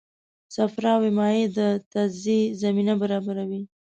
صفراوي مایع د تجزیې زمینه برابروي.